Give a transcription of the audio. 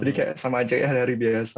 jadi kayak sama aja ya dari biasa